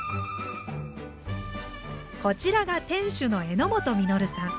こちらが店主の榎本稔さん。